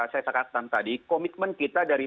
saya katakan tadi komitmen kita dari